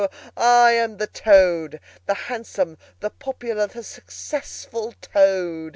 I am The Toad, the handsome, the popular, the successful Toad!"